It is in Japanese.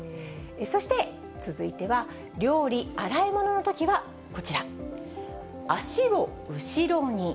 そして続いては、料理・洗い物のときはこちら、足を後ろに。